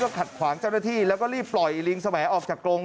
ขัดขวางเจ้าหน้าที่แล้วก็รีบปล่อยลิงสมัยออกจากกรง